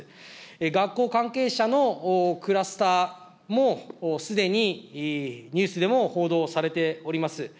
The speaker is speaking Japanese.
学校関係者のクラスターも、すでにニュースでも報道されております。